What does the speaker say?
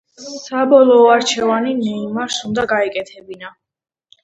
საბოლოო არჩევანი ნეიმარს უნდა გაეკეთებინა.